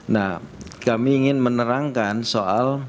nah kami ingin menerangkan soal